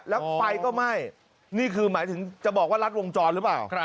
แล้วไฟก็ไหม้นี่คือหมายถึงจะบอกว่ารัดวงจรหรือเปล่า